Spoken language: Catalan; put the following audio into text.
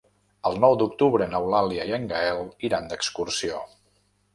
El nou d'octubre n'Eulàlia i en Gaël iran d'excursió.